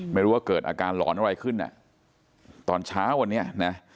ไม่รู้ว่าเกิดอาการหลอนอะไรขึ้นอ่ะตอนเช้าวันนี้นะ